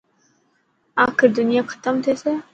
آخر دنيا ختم ٿيسي.